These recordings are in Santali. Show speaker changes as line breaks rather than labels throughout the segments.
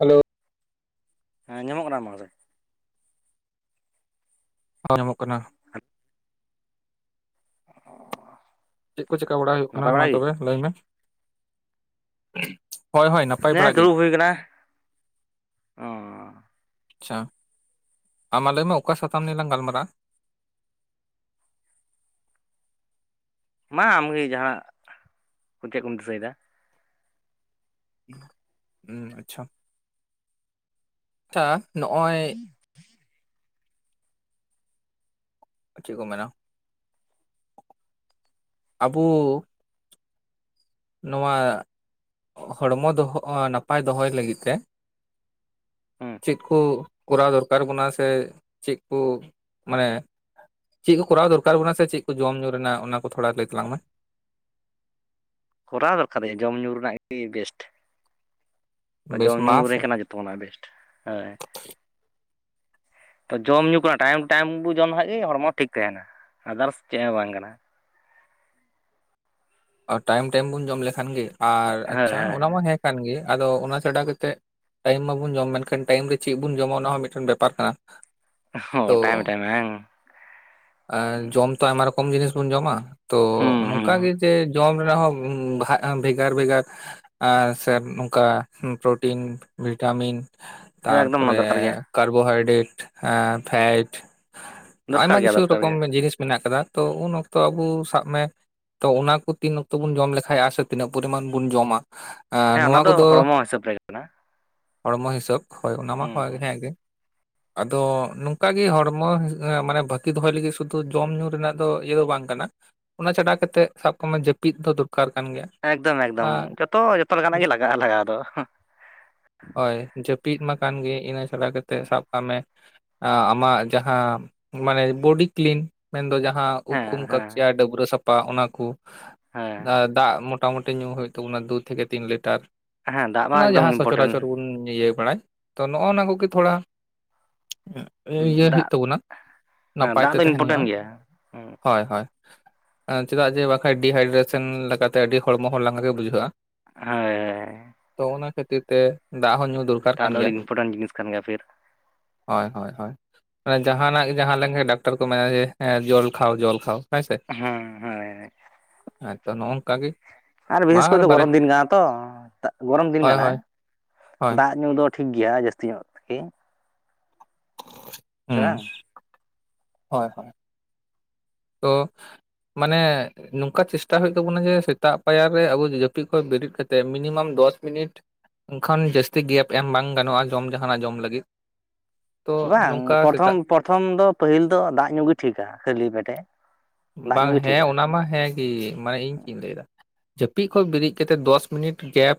ᱦᱮᱞᱳ
ᱦᱮᱸ ᱟᱸᱡᱚᱢᱚᱜ ᱠᱟᱱᱟ [unintelligible]
ᱦᱚᱸ ᱟᱸᱡᱚᱢᱚᱜ ᱠᱟᱱᱟ ᱪᱮᱫ ᱠᱚ ᱪᱤᱠᱟᱹ ᱵᱟᱲᱟ ᱦᱩᱭᱩᱜ ᱠᱟᱱᱟ
ᱱᱟᱯᱟᱭ
ᱢᱟ
ᱵᱟᱲᱟ ᱜᱮ
ᱛᱚᱵᱮ ᱞᱟᱹᱭ ᱢᱮ [unintelligible] ᱦᱳᱭ ᱦᱳᱭ ᱱᱟᱯᱟᱭ ᱵᱟᱲᱟ
ᱦᱮᱸ
ᱜᱮ
ᱫᱩᱲᱩᱵ ᱦᱩᱭ ᱠᱟᱱᱟ
ᱟᱪᱪᱷᱟ ᱟᱢ ᱢᱟ ᱞᱟᱹᱭ ᱢᱮ ᱚᱠᱟ ᱥᱟᱛᱟᱢ ᱱᱤᱭᱮ ᱞᱟᱝ ᱜᱟᱞᱢᱟᱨᱟᱜᱼᱟ
ᱢᱟ ᱟᱢᱜᱮ ᱡᱟᱦᱟᱸᱱᱟᱜ [unintelligible] ᱠᱚ ᱪᱮᱫ ᱠᱚᱢ ᱫᱤᱥᱟᱹᱭᱮᱫᱟ
ᱟᱪᱪᱷᱟ ᱟᱪᱷᱟ ᱱᱚᱜᱼᱚᱭ
[unintelligible]
ᱪᱮᱫ ᱠᱚ ᱢᱮᱱᱟ [unintelligible] ᱟᱵᱚ ᱱᱚᱣᱟ [unintelligible] ᱦᱚᱲᱢᱚ ᱫᱚᱦᱚ ᱱᱟᱯᱟᱭ ᱫᱚᱦᱚᱭ ᱞᱟᱹᱜᱤᱫ ᱛᱮ᱾
ᱦᱩᱸ
ᱪᱮᱫ ᱠᱚ ᱠᱚᱨᱟᱣ ᱫᱚᱨᱠᱟᱨ ᱟᱵᱚᱱᱟ ᱥᱮ ᱪᱮᱫ ᱠᱚ᱾ ᱢᱟᱱᱮ ᱪᱮᱫ ᱠᱚ ᱠᱚᱨᱟᱣ ᱫᱚᱨᱠᱟᱨ ᱟᱵᱚᱱᱟ ᱥᱮ ᱪᱮᱫ ᱠᱚ ᱡᱚᱢ ᱧᱩ ᱨᱮᱱᱟᱜ ᱚᱱᱟ ᱠᱚ ᱛᱷᱚᱲᱟ ᱞᱟᱹᱭ ᱛᱟᱞᱟᱝ ᱢᱮ᱾
ᱠᱚᱨᱟᱣ ᱫᱚᱨᱠᱟᱨ [unintelligible] ᱡᱚᱢᱼᱧᱩ ᱨᱮᱱᱟᱜ ᱜᱮ ᱵᱮᱥᱴ᱾
ᱵᱮᱥ
ᱡᱚᱢ ᱧᱩ
ᱢᱟ
ᱨᱮ
ᱥᱮ
ᱠᱟᱱᱟ ᱡᱚᱛᱚ ᱠᱷᱚᱱᱟᱜ ᱵᱮᱥᱴ ᱦᱮᱸ᱾ ᱛᱚ ᱡᱚᱢ ᱧᱩ ᱠᱚ ᱴᱟᱭᱤᱢ ᱴᱟᱭᱤᱢ ᱵᱚ ᱡᱚᱢ ᱞᱮᱠᱟᱡ ᱜᱮ ᱦᱚᱲᱢᱚ ᱴᱷᱤᱠ ᱛᱟᱦᱮᱱᱟ᱾ ᱟᱫᱟᱨᱥ ᱪᱮᱫ ᱦᱚᱸ ᱵᱟᱝ ᱠᱟᱱᱟ᱾
ᱴᱟᱭᱤᱢ ᱴᱟᱭᱤᱢ ᱵᱚᱱ ᱡᱚᱢ ᱞᱮᱠᱷᱟᱱ ᱜᱮ, ᱟᱨ
ᱦᱳᱭ
ᱟᱪᱪᱷᱟ
ᱦᱳᱭ
ᱚᱱᱟ ᱢᱟ ᱦᱮᱸ ᱠᱟᱱ ᱜᱮ᱾ ᱟᱫᱚ ᱚᱱᱟ ᱪᱷᱟᱰᱟ ᱠᱟᱛᱮᱫ᱾ ᱴᱟᱭᱤᱢ ᱢᱟᱵᱚᱱ ᱡᱚᱢ, ᱢᱮᱱᱠᱷᱟᱱ ᱴᱟᱭᱤᱢ ᱨᱮ ᱪᱤᱫ ᱵᱚᱱ ᱡᱚᱢᱟ ᱚᱱᱟ ᱦᱚᱸ ᱢᱮᱫᱴᱟᱱ ᱵᱮᱯᱟᱨ ᱠᱟᱱᱟ᱾
ᱦᱚᱸ
ᱛᱚ
ᱴᱟᱭᱤᱢ ᱴᱟᱭᱤᱢ ᱵᱟᱝ
[unintelligible] ᱮᱸ ᱡᱚᱢ ᱛᱚ ᱟᱭᱢᱟ ᱨᱚᱠᱚᱢ ᱡᱤᱱᱤᱥ ᱵᱚᱱ ᱡᱚᱢᱟ᱾ ᱛᱚ
ᱦᱩᱸ ᱦᱩᱸ
ᱱᱚᱝᱠᱟ ᱜᱮ᱾ [unintelligible] ᱡᱚᱢ ᱨᱮᱱᱟᱜ ᱦᱚᱸ ᱵᱷᱮᱜᱟᱨ ᱵᱷᱮᱜᱟᱨ᱾ ᱟᱨ ᱥᱮ ᱱᱚᱝᱠᱟ ᱯᱨᱚᱴᱤᱱ, ᱵᱷᱤᱴᱟᱢᱤᱱ
ᱦᱮᱸ ᱮᱠᱫᱚᱢ ᱚᱱᱟ
ᱛᱟᱨᱯᱚᱨᱮ
ᱫᱚᱨᱠᱟᱨ ᱜᱮᱭᱟ
ᱠᱟᱨᱵᱳᱦᱟᱭᱰᱨᱮᱴ, ᱮᱸ ᱯᱷᱮᱴ,
ᱫᱚᱨᱠᱟᱨ
ᱟᱭᱢᱟ
ᱜᱮᱭᱟ
ᱠᱤᱪᱷᱩ
ᱫᱚᱨᱠᱟᱨ
ᱨᱚᱠᱚᱢ
ᱜᱮᱭᱟ
ᱡᱤᱱᱤᱥ ᱢᱮᱱᱟᱜ ᱟᱠᱟᱫᱟ᱾ ᱛᱚ ᱩᱱ ᱚᱠᱛᱚ ᱟᱵᱩ ᱥᱟᱵ ᱢᱮ᱾ ᱛᱚ ᱚᱱᱟ ᱠᱚ ᱛᱤᱱ ᱚᱠᱛᱚ ᱵᱚᱱ ᱡᱚᱢ ᱞᱮᱠᱷᱟᱡ, ᱥᱮ ᱛᱤᱱᱟᱹᱜ ᱯᱚᱨᱤᱢᱟᱱ ᱵᱚᱱ ᱡᱚᱢᱟ᱾ ᱮᱸ
ᱦᱮᱸ ᱚᱱᱟ
ᱱᱚᱣᱟ
ᱫᱚ
ᱠᱚᱫᱚ
ᱦᱚᱲᱢᱚ ᱦᱤᱥᱟᱹᱵᱽ ᱨᱮᱜᱮ ᱠᱟᱱᱟ᱾
ᱦᱚᱲᱢᱚ ᱦᱤᱥᱟᱹᱵᱽ ᱦᱳᱭ ᱚᱱᱟ ᱢᱟ
ᱦᱩᱸ
ᱦᱮᱸ ᱜᱮ᱾ ᱟᱫᱚ ᱱᱚᱝᱠᱟ ᱜᱮ ᱦᱚᱲᱢᱚ, ᱢᱟᱱᱮ ᱵᱷᱟᱹᱜᱤ ᱫᱚᱦᱚᱭ ᱞᱟᱹᱜᱤᱫ ᱥᱩᱫᱷᱩ ᱡᱚᱢ ᱧᱩ ᱨᱮᱱᱟᱜ ᱫᱚ ᱤᱭᱟᱹ ᱫᱚ ᱵᱟᱝ ᱠᱟᱱᱟ᱾ ᱚᱱᱟ ᱪᱷᱟᱰᱟ ᱠᱟᱛᱮᱫ ᱥᱟᱵ ᱠᱟᱜ ᱢᱮ ᱡᱟᱹᱯᱤᱫ ᱫᱚ ᱫᱚᱨᱠᱟᱨ ᱠᱟᱱ ᱜᱮᱭᱟ᱾
ᱮᱠᱫᱚᱢ ᱮᱠᱫᱚᱢ
ᱟᱨ
ᱡᱚᱛᱚ ᱡᱚᱛᱚ ᱞᱮᱠᱟᱱᱟᱜ ᱜᱮ ᱞᱟᱜᱟᱜᱼᱟ, ᱞᱟᱜᱟᱣ ᱫᱚ᱾
ᱦᱳᱭ ᱡᱟᱹᱯᱤᱫ ᱢᱟ ᱠᱟᱱ ᱜᱮ ᱤᱱᱟᱹ ᱪᱷᱟᱲᱟ ᱠᱟᱛᱮ ᱥᱟᱵ ᱠᱟᱜ ᱢᱮ᱾ ᱟᱢᱟᱜ ᱡᱟᱦᱟᱸ ᱢᱟᱱᱮ ᱵᱚᱰᱤ ᱠᱞᱤᱱ ᱢᱮᱱᱫᱚ ᱡᱟᱦᱟᱸ ᱩᱵ
ᱦᱮᱸ
ᱠᱩᱢ
ᱦᱮᱸ
ᱠᱟᱢᱪᱤᱭᱟ ᱰᱟᱹᱵᱨᱟᱹ ᱥᱟᱯᱷᱟ ᱚᱱᱟ ᱠᱩ
ᱦᱮᱸ
᱾ ᱫᱟᱜ ᱢᱚᱴᱼᱼ ᱢᱚᱴᱟᱢᱩᱴᱤ ᱧᱩ ᱦᱩᱭᱩᱜ ᱛᱟᱵᱚᱱᱟ ᱫᱩ ᱛᱷᱤᱠᱮ ᱛᱤᱱ ᱞᱤᱴᱟᱨ
ᱦᱮᱸ ᱫᱟᱜ
᱾ ᱚᱱᱟ
ᱢᱟ ᱮᱠᱫᱚᱢ
ᱡᱟᱦᱟᱸ ᱥᱚᱪᱚᱨᱟᱪᱚᱨ
ᱤᱢᱯᱚᱴᱮᱱᱴ
ᱵᱚᱱ ᱤᱭᱟᱹ ᱵᱟᱲᱟᱭ ᱾ ᱛᱚ, ᱱᱚᱜᱼᱚᱱᱟ ᱠᱚᱜᱮ ᱛᱷᱚᱲᱟ ᱤᱭᱟᱹ
ᱫᱟᱜ
ᱦᱩᱭᱩᱜ ᱛᱟᱵᱚᱱᱟ ᱾
ᱦᱮᱸ
ᱱᱟᱯᱟᱭ
ᱫᱟᱜ
ᱛᱮ
ᱫᱚ
ᱛᱟᱦᱮᱱ
ᱤᱢᱯᱚᱴᱮᱱᱴ
ᱦᱩᱭᱩᱜᱼᱟ
ᱜᱮᱭᱟ
᱾ ᱦᱚᱭ ᱦᱚᱭ ᱪᱮᱫᱟᱜ ᱡᱮ ᱵᱟᱠᱷᱟᱡ ᱰᱤᱦᱟᱭᱰᱨᱮᱥᱚᱱ ᱞᱮᱠᱟᱛᱮ ᱟᱹᱰᱤ ᱦᱚᱲᱢᱚ ᱦᱚᱸ ᱞᱟᱸᱜᱟ ᱜᱮ ᱵᱩᱡᱷᱟᱹᱜᱼᱟ᱾
ᱦᱳᱭ
ᱛᱚ ᱚᱱᱟ ᱠᱷᱟᱹᱛᱤᱨ ᱛᱮ ᱫᱟᱜ ᱦᱚᱸ ᱧᱩ ᱫᱚᱨᱠᱟᱨ
ᱫᱟᱜ
ᱠᱟᱱ
ᱫᱚ ᱟᱹᱰᱤ ᱤᱱᱯᱚᱴᱮᱱᱴ ᱡᱤᱱᱤᱥ ᱠᱟᱱ ᱜᱮᱭᱟ ᱯᱷᱤᱨ
ᱦᱚᱭ, ᱦᱚᱭ, ᱦᱚᱭ ᱾ ᱮ ᱡᱟᱦᱟᱸ ᱱᱟᱜ ᱜᱮ ᱡᱟᱦᱟᱸ ᱞᱮᱠᱟ ᱰᱟᱠᱛᱚᱨ ᱠᱚ ᱢᱮᱱᱟ ᱡᱮ ᱡᱚᱞ ᱠᱷᱟᱣ ᱡᱚᱞ ᱠᱷᱟᱣ ᱦᱮᱸ ᱥᱮ᱾
ᱦᱩᱸ ᱦᱚᱭᱮᱭ
ᱦᱮᱸᱛᱚ ᱱᱚᱜᱼᱚᱭ ᱱᱚᱝᱠᱟ ᱜᱮ ᱾
ᱟᱨ ᱵᱤᱥᱮᱥ ᱠᱚᱨᱮᱛᱚ ᱜᱚᱨᱚᱢ ᱫᱤᱱ ᱠᱟᱱᱟ ᱛᱚ᱾ ᱜᱚᱨᱚᱢ ᱫᱤᱱ
ᱦᱳᱭ
ᱠᱟᱱᱟ,
ᱦᱳᱭ ᱦᱳᱭ
ᱫᱟᱜ ᱧᱩ ᱫᱚᱼᱼ ᱴᱷᱤᱠ ᱜᱮᱭᱟ᱾ ᱡᱟᱹᱥᱛᱤ ᱧᱚᱜ ᱛᱮᱜᱮ᱾
[unintelligible]
ᱥᱮ ᱵᱟᱝ?
ᱦᱚᱭ ᱦᱚᱭ ᱾ ᱛᱚ ᱢᱟᱱᱮ ᱱᱚᱝᱠᱟ ᱪᱮᱥᱴᱟ ᱦᱩᱭᱩᱜ ᱛᱟᱵᱱᱟ ᱡᱮ, ᱥᱮᱛᱟᱜ ᱯᱟᱭᱟᱨ ᱨᱮ ᱟᱵᱚ ᱡᱟᱹᱯᱤᱫ ᱠᱷᱚᱡ ᱵᱮᱨᱤᱫ ᱠᱟᱛᱮ ᱢᱤᱱᱤᱢᱟᱢ ᱫᱚᱥ ᱢᱤᱱᱤᱴᱼᱼ ᱮᱱᱠᱷᱟᱱ ᱡᱟᱹᱥᱛᱤ ᱜᱮᱯ ᱮᱢ ᱵᱟᱝ ᱜᱟᱱᱚᱜᱼᱟ ᱡᱚᱢ ᱡᱟᱦᱟᱱᱟᱜ ᱡᱚᱢ ᱞᱟᱹᱜᱤᱫ᱾ ᱛᱚ
ᱵᱟᱝ
ᱱᱚᱝᱠᱟ
ᱯᱨᱚᱛᱷᱚᱢ,
ᱥᱮᱛᱟᱜ
ᱯᱨᱚᱛᱷᱚᱢ ᱫᱚ ᱯᱟᱹᱦᱤᱞ ᱫᱚ ᱫᱟᱜ ᱧᱩ ᱜᱮ ᱴᱷᱤᱠᱟ ᱠᱷᱟᱹᱞᱤ ᱯᱮᱴᱮ᱾ ᱫᱟᱜ ᱧᱩ
ᱵᱟᱝ
ᱜᱮ
ᱦᱮᱸ
ᱴᱷᱤᱠᱟ
ᱚᱱᱟᱢᱟ ᱦᱮᱸ ᱜᱤ ᱢᱟᱱᱮ ᱤᱧ ᱪᱤᱫ ᱤᱧ ᱞᱟᱹᱭ ᱫᱟ᱾ ᱡᱟᱹᱯᱤᱜ ᱠᱷᱚᱡ ᱵᱮᱨᱤᱫ ᱠᱟᱛᱮ ᱫᱚᱥ ᱢᱤᱱᱤᱴ ᱜᱮᱯ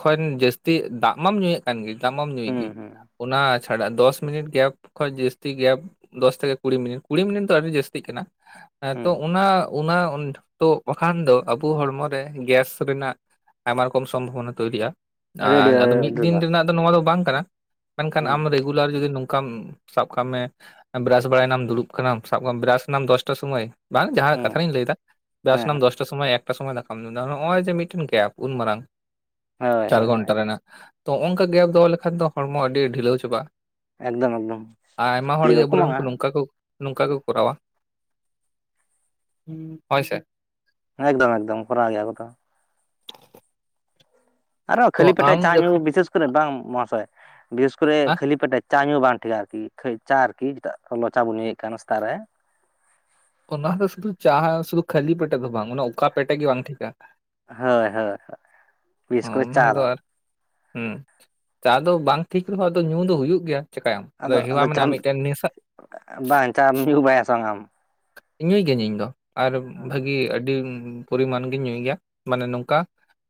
ᱠᱷᱚᱱ ᱡᱟᱹᱥᱛᱤ, ᱫᱟᱜ ᱢᱟᱢ ᱧᱩᱭᱮᱫ ᱠᱟᱱ ᱜᱮ ᱫᱟᱜ ᱢᱟᱢ ᱧᱩᱭᱮᱫ
ᱦᱩᱸ
ᱜᱮ
ᱦᱩᱸ
᱾ ᱚᱱᱟᱼᱼ ᱪᱷᱟᱰᱟ ᱫᱚᱥ ᱢᱤᱱᱤᱴ ᱜᱮᱯ ᱠᱷᱚᱡ ᱡᱟᱹᱥᱛᱤ ᱜᱮᱯ, ᱫᱚᱥ ᱛᱷᱮᱠᱮ ᱠᱩᱲᱤ ᱢᱤᱱᱤᱴ ᱾ ᱠᱩᱲᱤ ᱢᱤᱱᱤᱴ ᱫᱚ ᱟᱹᱰᱤ ᱡᱟᱹᱥᱛᱤᱜ ᱠᱟᱱᱟ᱾ ᱦᱟᱸ
ᱦᱩᱸ
ᱛᱚ, ᱚᱱᱟ ᱚᱱᱟ ᱩᱱᱫᱚ ᱵᱟᱠᱷᱟᱱ ᱫᱚ ᱟᱵᱚ ᱦᱚᱲᱢᱚᱨᱮ ᱜᱮᱥ ᱨᱮᱱᱟᱜᱼᱼ ᱟᱭᱢᱟ ᱨᱚᱠᱚᱢ ᱥᱚᱢᱵᱷᱚᱵᱚᱱᱟ ᱛᱚᱭᱨᱤᱼᱟ
ᱟᱹᱰᱤ ᱟᱹᱰᱤ
ᱟᱨ ᱟᱫᱚ ᱢᱤᱫ
ᱟᱹᱰᱤ
ᱫᱤᱱ
ᱟᱢᱫᱟ
ᱨᱮᱱᱟᱜ ᱱᱚᱣᱟ ᱫᱚ ᱵᱟᱝ ᱠᱟᱱᱟ, ᱢᱮᱱᱠᱷᱟᱱ
ᱦᱩᱸ
ᱟᱢ ᱨᱮᱜᱩᱞᱟᱨ ᱡᱩᱫᱤ ᱱᱚᱝᱠᱟᱢ ᱥᱟᱵ ᱠᱟᱜ ᱢᱮ ᱵᱨᱟᱥ ᱵᱟᱲᱟᱭᱮᱱᱟᱢ ᱫᱩᱲᱩᱵ ᱠᱟᱱᱟᱢ, ᱥᱟᱵ ᱠᱟᱜ ᱢᱮ ᱵᱨᱟᱥᱱᱟᱢ ᱫᱚᱥᱴᱟ ᱥᱚᱢᱚᱭ ᱵᱟᱝ ᱡᱟᱦᱟᱸ ᱨᱮᱭᱟᱜ
ᱦᱩᱸ
ᱠᱟᱛᱷᱟ ᱨᱤᱧ ᱞᱟᱹᱭᱫᱟ
ᱦᱮᱸ
ᱵᱨᱟᱥᱮᱱᱟᱢ ᱫᱚᱥᱴᱟ ᱥᱚᱢᱚᱭ ᱮᱠ ᱮᱠᱴᱟ ᱥᱚᱢᱚᱭ ᱫᱟᱠᱟᱢ ᱡᱚᱢᱫᱟ ᱱᱚᱜᱼᱚᱭ ᱡᱮ ᱢᱤᱫᱴᱮᱱ ᱜᱮᱯ, ᱩᱱ ᱢᱟᱨᱟᱝ
ᱦᱳᱭ
ᱪᱟᱨ
ᱦᱳᱭ
ᱜᱷᱚᱱᱴᱟ ᱨᱮᱱᱟᱜ ᱛᱚ ᱚᱱᱠᱟ ᱜᱮᱯ ᱫᱚᱦᱚ ᱞᱮᱠᱷᱟᱱ ᱫᱚ ᱦᱚᱲᱢᱚ ᱟᱹᱰᱤ ᱰᱷᱤᱞᱟᱹᱣ ᱪᱟᱵᱟᱜᱼᱟ
ᱮᱠᱫᱚᱢ ᱮᱠᱫᱚᱢ
ᱟᱭᱢᱟ
ᱥᱚᱠᱛᱤ
ᱦᱚᱲ ᱜᱮ
ᱦᱚᱸ
ᱟᱵᱚᱨᱮᱱ ᱠᱚ
ᱠᱚᱢᱚᱜᱼᱟ
ᱱᱚᱝᱠᱟ ᱠᱚ ᱱᱚᱝᱠᱟ ᱠᱚ ᱠᱚᱨᱟᱣᱟ ᱦᱚᱭ ᱥᱮ
ᱮᱠᱫᱚᱢ ᱮᱠᱫᱚᱢ ᱠᱚᱨᱟᱣ ᱜᱮᱭᱟ ᱠᱚᱛᱚ ᱟᱨᱦᱚᱸ
ᱛᱚ
ᱠᱷᱟᱹᱞᱤ ᱯᱮᱴᱮ
ᱟᱢ
ᱪᱟ ᱧᱩ
ᱡᱚᱠᱷᱚᱱ
ᱵᱤᱥᱮᱥ ᱠᱚᱨᱮ ᱵᱟᱝ ᱢᱟᱦᱚᱥᱚᱭ ᱵᱤᱥᱮᱥ ᱠᱚᱨᱮ
ᱟᱸ
ᱠᱷᱟᱹᱞᱤ ᱯᱮᱴᱮᱼᱼ ᱪᱟ ᱧᱩ ᱵᱟᱝ ᱴᱷᱤᱠᱟᱹ ᱟᱨ ᱠᱤ, ᱠᱷᱟᱹᱭ ᱪᱟ ᱟᱨ ᱠᱤ, ᱪᱮᱫᱟᱜ ᱞᱚᱞᱚ ᱪᱟ ᱵᱚᱱ ᱧᱩᱭᱮᱫ ᱠᱟᱱ ᱥᱮᱛᱟᱜ ᱨᱮ᱾
ᱚᱱᱟ ᱫᱚ ᱥᱩᱫᱩ ᱪᱟᱦᱟ ᱥᱩᱫᱩ ᱠᱷᱟᱹᱞᱤ ᱯᱮᱴᱮ ᱫᱚ ᱵᱟᱝ ᱚᱱᱟ ᱚᱠᱟ ᱯᱮᱴᱮ ᱜᱮ ᱵᱟᱝ ᱴᱷᱤᱠᱟ
ᱦᱚᱭ, ᱦᱚᱭ, ᱦᱚᱭ
ᱦᱚᱸ ᱚᱱᱟ ᱫᱚ ᱟᱨ ᱪᱟ ᱫᱚ ᱵᱟᱝ ᱴᱷᱤᱠ ᱨᱮᱦᱚᱸ ᱟᱫᱚ ᱧᱩ ᱫᱚ ᱦᱩᱭᱩᱜ ᱜᱮᱭᱟ ᱪᱮᱠᱟᱭᱟᱢ
ᱟᱫᱚ
ᱦᱮᱣᱟ
ᱟᱫᱚ
ᱢᱮᱱᱟᱜᱼᱟ
ᱪᱟᱦᱟᱢ,
ᱢᱤᱫᱴᱮᱱ ᱱᱮᱥᱟ
ᱵᱟᱝ ᱪᱟᱢ ᱧᱩ ᱵᱟᱲᱟᱭᱟ ᱥᱮ ᱵᱟᱝ ᱟᱢ
ᱧᱩᱭ ᱜᱤᱭᱟᱹᱧ ᱤᱧ ᱫᱚ ᱟᱨ ᱵᱷᱟᱜᱤ ᱟᱹᱰᱤ ᱯᱚᱨᱤᱢᱟᱱ ᱜᱤᱧ ᱧᱩᱭ ᱜᱮᱭᱟ ᱢᱟᱱᱮ ᱱᱚᱝᱠᱟ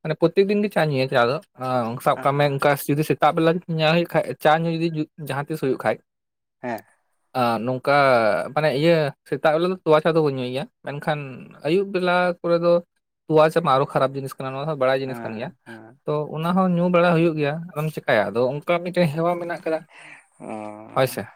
ᱢᱟᱱᱮ ᱯᱨᱚᱛᱮᱠ ᱫᱤᱱ ᱜᱮ ᱪᱟ ᱧᱩᱭᱟ ᱪᱟ ᱫᱚ ᱥᱟᱵ ᱠᱟᱜ ᱢᱮ ᱚᱱᱠᱟ ᱡᱩᱫᱤ ᱥᱮᱛᱟᱜ ᱵᱮᱞᱟ ᱧᱮᱞ ᱦᱩᱭᱩᱜ ᱠᱷᱟᱡ ᱪᱟ ᱧᱩ ᱡᱩᱫᱤ ᱡᱟᱦᱟᱸ ᱛᱤᱥ ᱦᱩᱭᱩᱜ ᱠᱷᱟᱡ
ᱦᱮᱸ
ᱟᱸ ᱱᱚᱝᱠᱟ ᱢᱟᱱᱮ ᱤᱭᱟᱹ ᱥᱮᱛᱟᱜ ᱵᱮᱞᱟ ᱫᱚ ᱛᱚᱣᱟ ᱪᱟ ᱫᱚ ᱵᱟᱹᱧ ᱧᱩᱭᱜᱮᱭᱟ ᱢᱮᱱᱠᱷᱟᱱ ᱟᱹᱭᱩᱵ ᱵᱮᱞᱟ ᱠᱚᱨᱮ ᱫᱚ ᱛᱚᱣᱟ ᱪᱟ ᱢᱟ ᱟᱨᱦᱚᱸ ᱠᱷᱟᱨᱟᱯ ᱡᱤᱱᱤᱥ ᱠᱟᱱᱟ ᱱᱚᱣᱟ ᱵᱟᱲᱟᱭ ᱡᱤᱱᱤᱥ ᱠᱟᱱ ᱜᱮᱭᱟ
ᱦᱮᱸ ᱦᱮᱸ
ᱛᱚ ᱚᱱᱟ ᱦᱚᱸ ᱧᱩ ᱵᱟᱲᱟ ᱦᱩᱭᱩᱜ ᱜᱮᱭᱟ, ᱟᱫᱚᱢ ᱪᱮᱠᱟᱭᱟ ᱟᱫᱚ ᱚᱱᱠᱟ ᱢᱤᱫᱴᱟᱝ ᱦᱮᱣᱟ ᱢᱮᱱᱟᱜ ᱟᱠᱟᱫ-ᱟ
ᱚ
ᱦᱚᱭᱥᱮ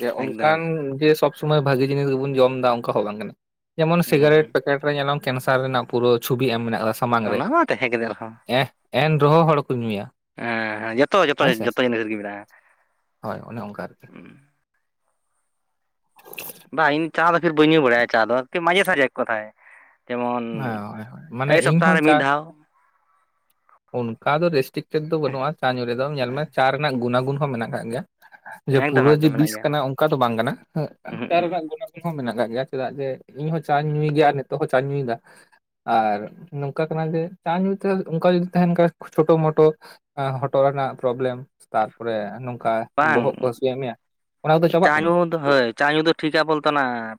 ᱡᱮ
ᱮᱠᱫᱚᱢ
ᱚᱱᱠᱟᱱ ᱡᱮ ᱥᱚᱵ ᱥᱚᱢᱚᱭ ᱵᱷᱟᱜᱤ ᱡᱤᱱᱤᱥ ᱜᱮᱵᱚᱱ ᱡᱚᱢ ᱮᱫᱟ ᱚᱱᱠᱟ ᱦᱚᱸ ᱵᱟᱢ ᱢᱮᱱ ᱫᱟ, ᱡᱮᱢᱚᱱ ᱥᱤᱜᱟᱨᱮᱴ
ᱦᱩᱸ
ᱯᱮᱠᱮᱴ ᱨᱮ ᱧᱮᱞᱟᱢ ᱠᱮᱱᱥᱟᱨ ᱨᱮᱱᱟᱜ ᱯᱩᱨᱟᱹ ᱪᱷᱩᱵᱤ ᱟᱭ ᱢᱮᱱᱮ ᱟᱞᱮ ᱥᱟᱢᱟᱝ ᱨᱮ
ᱚᱱᱟ ᱢᱟ ᱛᱟᱦᱮᱸ ᱠᱟᱛᱮ ᱨᱮᱦᱚᱸ
ᱮ ᱮᱱᱨᱮᱦᱚᱸ ᱦᱚᱲ ᱠᱚ ᱧᱩᱭᱟ
ᱦᱮᱸ ᱡᱚᱛᱚ ᱡᱚᱛᱚ
ᱦᱳᱭ ᱥᱮ
ᱡᱚᱛᱚ ᱡᱤᱱᱤᱥ ᱨᱮᱜᱮ ᱢᱮᱱᱟᱜᱼᱟ
ᱦᱳᱭ ᱚᱱᱮ ᱚᱱᱠᱟ ᱟᱨᱠᱤ [inaudible]
ᱵᱟᱝ ᱤᱧ ᱪᱟ ᱫᱚ ᱯᱷᱤᱨ ᱵᱟᱹᱧ ᱧᱩ ᱵᱟᱲᱟᱭᱟ ᱪᱟ ᱫᱚ ᱢᱟᱡᱷᱮ ᱥᱟᱡᱷᱮ [unintelligible] ᱡᱮᱢᱚᱱ
[unintelligible] ᱦᱳᱭ ᱦᱳᱭ ᱢᱟᱱᱮ
ᱮᱭ
ᱤᱧ
ᱥᱚᱯᱛᱟᱦᱚ
ᱦᱚᱸ
ᱨᱮ
ᱪᱟ
ᱢᱤᱫ ᱫᱷᱟᱣ
ᱚᱱᱠᱟ ᱫᱚ ᱨᱮᱥᱴᱤᱠ [unintelligible] ᱫᱚ ᱵᱟᱹᱱᱩᱜᱼᱟ ᱪᱟ ᱧᱩ ᱨᱮ ᱫᱚ ᱧᱮᱞ ᱢᱮ ᱪᱟ ᱨᱮᱱᱟᱜ ᱜᱩᱱᱟᱜᱩᱱ ᱦᱚᱸ ᱢᱮᱱᱟᱜ ᱟᱠᱟᱫ ᱜᱮᱭᱟ ᱡᱮ
ᱮᱠᱫᱚᱢ
ᱯᱩᱨᱟᱹ ᱡᱮ
ᱮᱠᱫᱚᱢ ᱢᱮᱱᱟᱜ
ᱵᱤᱥ
ᱜᱮᱭᱟ
ᱠᱟᱱᱟ ᱚᱱᱠᱟ ᱫᱚ ᱵᱟᱝ ᱠᱟᱱᱟ
ᱩᱸᱦᱩᱜ
ᱪᱟ
ᱩᱸᱦᱩᱜ
ᱨᱮᱱᱟᱜ ᱜᱩᱱ ᱦᱚᱸ ᱢᱮᱱᱟᱜ ᱟᱠᱟᱫ ᱜᱮᱭᱟ ᱪᱮᱫᱟᱜ ᱡᱮ ᱤᱧ ᱦᱚᱸ ᱪᱟᱧ ᱧᱩᱭ ᱜᱮᱭᱟ ᱟᱨ ᱱᱤᱛᱚᱜ ᱦᱚᱸ ᱪᱟᱧ ᱧᱩᱭᱮᱫᱟ ᱟᱨ ᱱᱚᱝᱠᱟ ᱠᱟᱱᱟ ᱡᱮ ᱪᱟ ᱧᱩ ᱛᱮ ᱦᱚᱸ ᱚᱱᱠᱟ ᱡᱩᱫᱤ ᱛᱟᱦᱮᱱ ᱠᱷᱟᱡ ᱪᱷᱳᱴᱳ ᱢᱳᱴᱳ ᱸ ᱦᱚᱴᱚᱜ ᱨᱮᱱᱟᱜ ᱯᱨᱚᱵᱽᱞᱮᱢ ᱛᱟᱨᱯᱚᱨᱮ ᱱᱚᱝᱠᱟ
ᱵᱟᱝ
ᱵᱚᱦᱚᱜ ᱠᱚ ᱦᱟᱹᱥᱩᱭᱮᱫ ᱢᱮᱭᱟ ᱚᱱᱟ ᱠᱚᱫᱚ ᱪᱟᱵᱟᱜ
ᱪᱟ
ᱛᱟᱢᱟ
ᱧᱩ
ᱩᱥᱠᱩᱨ
ᱦᱳᱭ ᱪᱟ ᱧᱩ ᱫᱚ ᱴᱷᱤᱠᱟ ᱵᱚᱞᱛᱱᱟ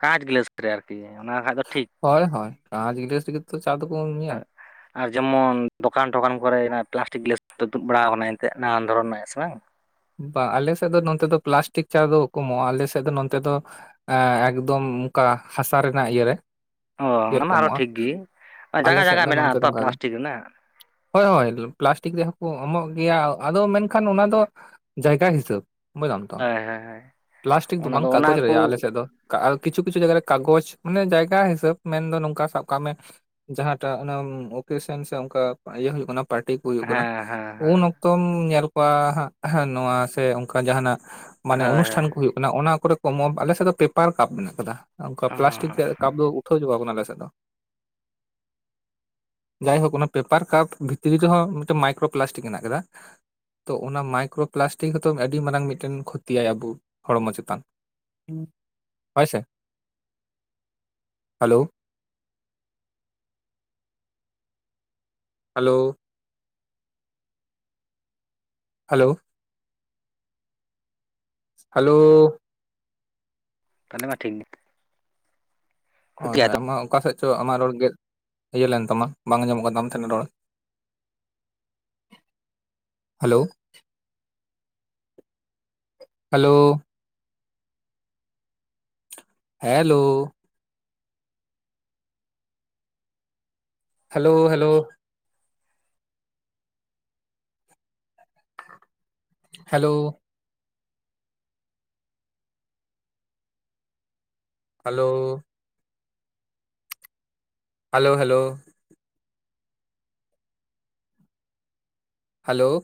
ᱠᱟᱸᱪ ᱜᱞᱟᱹᱥ ᱨᱮ ᱟᱨᱠᱤ ᱚᱱᱟ ᱠᱷᱟᱡ ᱫᱚ ᱴᱷᱤᱠ
ᱦᱚᱭ ᱦᱚᱭ ᱠᱟᱹᱪ ᱜᱮᱞᱟᱥ ᱛᱮᱜᱮ ᱛᱚ ᱪᱟ ᱫᱚᱵᱚᱱ ᱧᱩᱭᱟ
ᱦᱮᱸ ᱟᱨ ᱡᱮᱢᱚᱱ ᱫᱚᱠᱟᱱ ᱴᱚᱠᱟᱱ ᱠᱚᱨᱮ ᱯᱞᱟᱥᱴᱤᱠ ᱜᱤᱞᱟᱥ ᱛᱩᱫ ᱵᱟᱲᱟᱣ ᱦᱟᱵᱚᱱᱟ ᱮᱱᱛᱮᱜ ᱱᱟᱱᱟᱱ ᱫᱷᱚᱨᱚᱱ ᱨᱮᱱᱟᱜ ᱥᱮ ᱵᱟᱝ
ᱵᱟᱝ ᱟᱞᱮ ᱥᱮᱫ ᱫᱚ ᱱᱚᱛᱮ ᱫᱚ ᱯᱞᱟᱥᱴᱤᱠ ᱪᱟ ᱫᱚ ᱵᱟ ᱠᱚ ᱮᱢᱚᱜᱼᱟ ᱟᱞᱮᱥᱮᱫ ᱫᱚ ᱱᱚᱛᱮ ᱫᱚ ᱟᱸ ᱮᱠᱫᱚᱢ ᱚᱱᱠᱟ ᱦᱟᱥᱟ ᱨᱮᱱᱟᱜ ᱤᱭᱟᱹᱨᱮ
ᱚ ᱚᱱᱟ ᱢᱟ ᱟᱨᱚ ᱴᱷᱤᱠ
[unintelligible]
ᱜᱮ
ᱟᱞᱮ
ᱡᱟᱜᱟ
ᱥᱮᱫ
ᱡᱟᱜᱟ
ᱫᱚ ᱱᱚᱱᱛᱮ
ᱢᱮᱱᱟᱜᱼᱟ
ᱫᱚ
ᱛᱚ
ᱚᱱᱠᱟᱜ ᱜᱮ
ᱯᱞᱟᱥᱴᱤᱠ ᱨᱮᱱᱟᱜ
ᱦᱳᱭ ᱦᱳᱭ ᱯᱞᱟᱥᱴᱤᱠ ᱨᱮᱦᱚᱸ ᱠᱚ ᱮᱢᱚᱜ ᱜᱮᱭᱟ ᱟᱫᱚ ᱢᱮᱱᱠᱷᱟᱱ ᱚᱱᱟ ᱫᱚ ᱡᱟᱭᱜᱟ ᱦᱤᱥᱟᱹᱵ ᱵᱩᱡᱽ ᱫᱟᱢ ᱛᱚ
ᱦᱳᱭ ᱦᱳᱭ ᱦᱳᱭ
ᱯᱞᱟᱥᱴᱤᱠ ᱫᱚ
ᱚᱱᱟ
ᱵᱟᱝ
ᱚᱱᱟ
ᱠᱟᱜᱚᱡᱽ
ᱠᱚ
ᱨᱮᱭᱟᱜ ᱟᱞᱮᱥᱮᱫ ᱫᱚ [unintelligible] ᱠᱤᱪᱷᱩ ᱠᱤᱪᱷᱩ ᱡᱟᱭᱜᱟ ᱨᱮ ᱠᱟᱜᱚᱡᱽ ᱢᱟᱱᱮ ᱡᱟᱭᱜᱟ ᱦᱤᱥᱟᱹᱵ ᱢᱮᱱᱫᱚ ᱱᱚᱝᱠᱟ ᱥᱟᱵ ᱠᱟᱜ ᱢᱮ ᱡᱟᱦᱟᱸᱴᱟᱜ ᱚᱱᱟᱢ ᱚᱠᱮᱥᱮᱱ ᱥᱮ ᱚᱱᱠᱟ ᱤᱭᱟᱹ ᱦᱩᱭᱩᱜ ᱠᱟᱱᱟ ᱯᱟᱨᱴᱤ ᱠᱚ ᱦᱩᱭᱩᱜ ᱠᱟᱱᱟ
ᱦᱮᱸ ᱦᱮᱸ ᱦᱮᱸ
ᱩᱱ ᱚᱠ ᱛᱚᱢ ᱧᱮᱞ ᱠᱚᱣᱟ ᱦ ᱳᱦᱮᱸ ᱱᱚᱣᱟ ᱥᱮ ᱚᱱᱠᱟ ᱡᱟᱦᱱᱟᱜ ᱢᱟᱱᱮ
ᱦᱳᱭ
ᱚᱱᱩᱥᱴᱷᱟᱱ
ᱦᱳᱭ
ᱠᱚ ᱦᱩᱭᱩᱜ ᱚᱱᱟ ᱠᱚᱨᱮ ᱠᱚ ᱮᱢᱚᱜ ᱟᱞᱮᱥᱮᱫ ᱫᱚ ᱯᱮᱯᱟᱨ ᱠᱟᱯ ᱢᱮᱱᱟᱜ ᱟᱠᱟᱫᱟ ᱚᱱᱠᱟ
ᱚ
ᱯᱞᱟᱥᱴᱤᱠ ᱨᱮᱭᱟᱜ ᱠᱟᱯ ᱫᱚ ᱩᱴᱷᱟᱹᱣᱩᱜ ᱟᱞᱮ ᱥᱮᱫ ᱫᱚ ᱡᱟᱭᱦᱳᱠ ᱚᱱᱟ ᱯᱮᱯᱟᱨ ᱠᱟᱯ ᱵᱷᱤᱛᱨᱤ ᱨᱮᱦᱚᱸ ᱢᱤᱫᱴᱮᱱ ᱢᱟᱭᱠᱨᱳ ᱯᱞᱟᱥᱴᱤᱠ ᱦᱮᱱᱟᱜ ᱟᱠᱟᱫᱟ ᱛᱚ ᱚᱱᱟ ᱢᱟᱭᱠᱨᱳ ᱯᱞᱟᱥᱴᱤᱠ ᱦᱚᱛᱚ ᱟᱹᱰᱤ ᱢᱟᱨᱟᱝ ᱢᱤᱫᱴᱮᱱ ᱠᱷᱚᱛᱤᱭᱟᱭ ᱟᱵᱚ ᱦᱚᱲᱢᱚ ᱪᱮᱛᱟᱱ ᱦᱳᱭᱥᱮ ᱦᱟᱞᱳ ᱦᱟᱞᱳ ᱦᱟᱞᱳ ᱦᱟᱞᱳᱳᱳ
ᱛᱟᱦᱮᱞᱮ ᱢᱟ ᱴᱷᱤᱠ ᱜᱮ
ᱦᱳᱭ
ᱠᱷᱩᱛᱤᱭᱟ
ᱦᱳᱭ ᱟᱢᱟᱜ ᱚᱠᱟ ᱥᱮᱫ ᱪᱚ ᱟᱢᱟᱜ ᱨᱚᱲ ᱜᱮᱫ ᱤᱭᱟᱹ ᱞᱮᱱ ᱛᱟᱢᱟ ᱵᱟᱝ ᱟᱡᱚᱢᱚᱜ ᱠᱟᱱ ᱛᱟᱢ ᱛᱟᱦᱮᱱᱟ ᱨᱚᱲ᱾ Hello hello hello hello hello hello hello hello hello hello